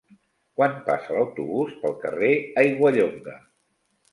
Quan passa l'autobús pel carrer Aiguallonga?